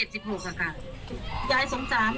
ยายสงสารยายสิ่งหลัง